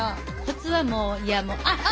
コツはもうあっ。